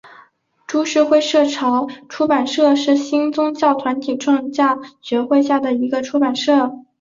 株式会社潮出版社是新宗教团体创价学会下的一个出版社。